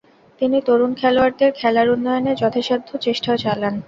তিনি তরুণ খেলোয়াড়দের খেলার উন্নয়নে যথাসাথ্য চেষ্টা চালান।